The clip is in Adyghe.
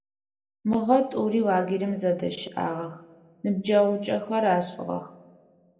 Мыгъэ тӏури лагерым зэдыщыӏагъэх, ныбджэгъукӏэхэр ашӏыгъэх.